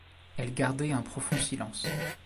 Elle gardait un profond silence.